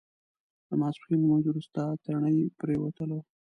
د ماسپښین لمونځ وروسته تڼۍ پرېوتلو.